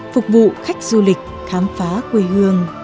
phục vụ khách du lịch khám phá quê hương